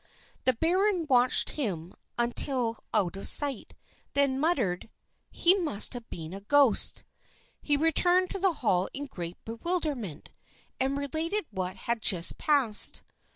The baron watched him until out of sight, then muttered, "He must have been a ghost!" He returned to the hall in great bewilderment, and related what had just passed.